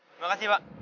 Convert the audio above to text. terima kasih pak